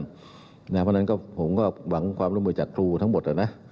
เพราะฉะนั้นผมก็หวังความร่วมมือจากครูทั้งหมดนะ